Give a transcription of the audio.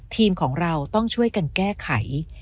ทีมของเราต้องช่วยกันแก้ไข